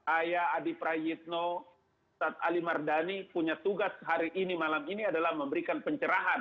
ayah adi prayitno ustadz ali mardani punya tugas hari ini malam ini adalah memberikan pencerahan